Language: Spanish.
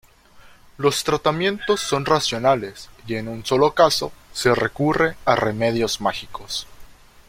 Los tratamientos son racionales, y en un sólo caso se recurre a remedios mágicos.